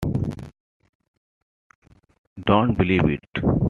Don't believe it.